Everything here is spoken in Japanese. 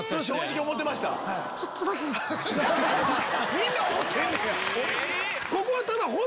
みんな思ってんねや！